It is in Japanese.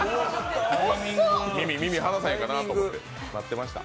耳離さへんかなと思って待ってました。